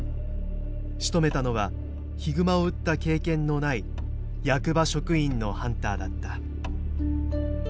しとめたのはヒグマを撃った経験のない役場職員のハンターだった。